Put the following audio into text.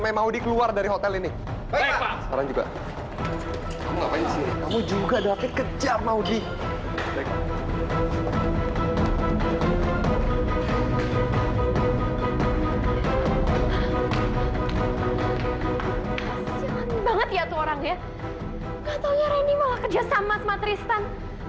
gak taunya reni malah kerja sama sama tristan